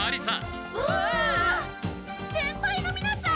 先輩のみなさん！